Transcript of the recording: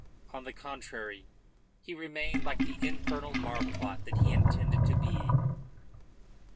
On the contrary, he remained like the infernal marplot that he intended to be.